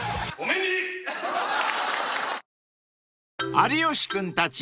［有吉君たち